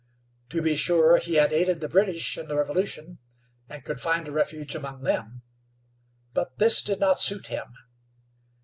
To be sure, he had aided the British in the Revolution, and could find a refuge among them; but this did not suit him.